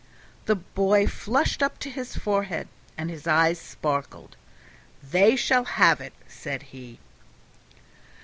The boy flushed up to his forehead, and his eyes sparkled. "They shall have it," said he.